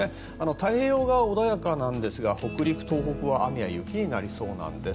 太平洋側は穏やかなんですが北陸や東北は雨や雪になりそうなんです。